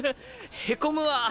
へこむわ。